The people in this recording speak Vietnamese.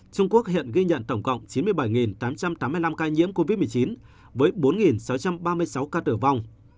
trung quốc hiện ghi nhận tổng cộng chín mươi bảy tám trăm tám mươi năm ca nhiễm covid một mươi chín với bốn sáu trăm ba mươi sáu ca tử vong